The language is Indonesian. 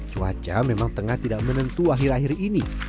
cuaca memang tengah tidak menentu akhir akhir ini